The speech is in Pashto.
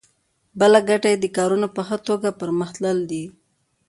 بله ګټه یې د کارونو په ښه توګه پرمخ تلل دي.